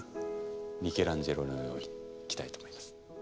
ミケランジェロのようにいきたいと思います。